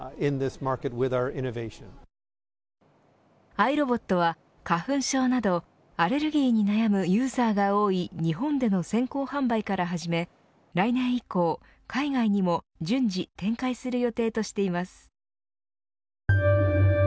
アイロボットは花粉症などアレルギーに悩むユーザーが多い日本での先行販売から始め、来年以降海外にも順次展開する予定としています。